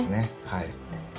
はい。